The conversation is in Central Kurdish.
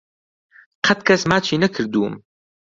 قەت کەس ماچی نەکردووم.